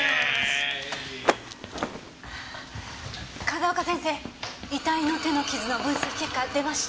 風丘先生遺体の手の傷の分析結果出ました？